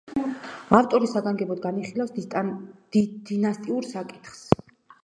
ავტორი საგანგებოდ განიხილავს დინასტიურ საკითხს.